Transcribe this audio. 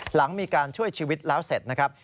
หลังมีการช่วยชีวิตแล้วเสร็จนะครับ